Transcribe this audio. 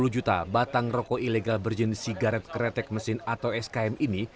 sepuluh juta batang rokok ilegal berjenis sigaret kretek mesin atau skm ini